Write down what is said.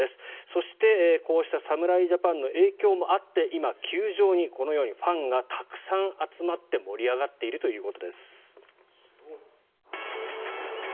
そして、こうした侍ジャパンの影響もあって今、球場にこのようにファンがたくさん集まって盛り上がっているということです。